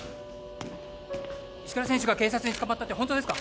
石倉選手が警察に捕まったって本当ですか？